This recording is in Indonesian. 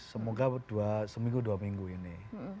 semoga seminggu dua minggu ini